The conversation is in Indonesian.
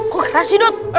kok keras sih dot